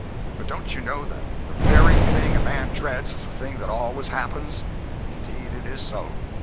But don't you know that the very thing a man dreads is the thing that always happens? Indeed it is so.